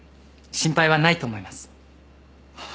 心配はないと思います。